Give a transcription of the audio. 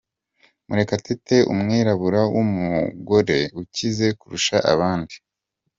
murekatete, umwirabura w’umugore ukize kurusha abandi